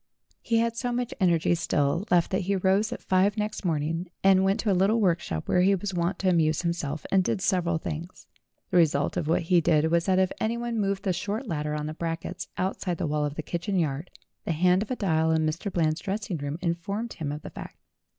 He had so much energy still left that he rose at five next morning, and went to a little workshop where he was wont to amuse himself, and did several things. The result of what he did was that if anyone moved the short ladder on the brackets outside the wall of the kitchen yard, the hand of a dial in Mr. Eland's dressing room informed him of the fact.